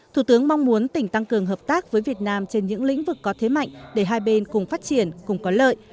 thủ tướng mong muốn tỉnh tăng cường hợp tác với việt nam trên những lĩnh vực có thế mạnh để hai bên cùng phát triển cùng có lợi